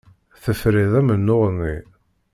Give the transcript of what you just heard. Tefriḍ amennuɣ-nni.